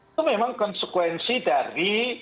itu memang konsekuensi dari